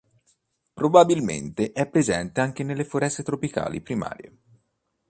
Probabilmente è presente anche nelle foreste tropicali primarie.